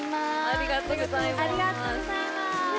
ありがとうございます。